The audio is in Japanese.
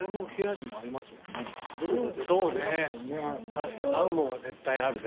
確かに合うもんは絶対あるね。